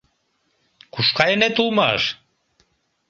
Куш кайынет улмаш?